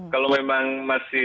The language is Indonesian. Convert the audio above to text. kalau memang masih